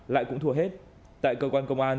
lại cũng thua hết tại cơ quan công an